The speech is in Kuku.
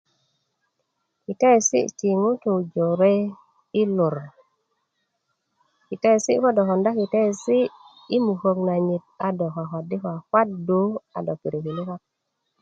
kiteesi' ti ŋutuu jore yi lor kiteesi' ko do konda kiteesi' yi mukök nanyit a do kwakwaddi' kwaddu a do pirikini' kak